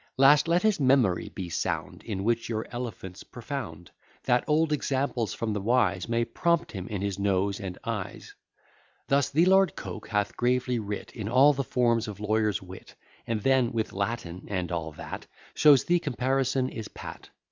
Last, let his memory be sound, In which your elephant's profound; That old examples from the wise May prompt him in his noes and ayes. Thus the Lord Coke hath gravely writ, In all the form of lawyer's wit: And then, with Latin and all that, Shows the comparison is pat.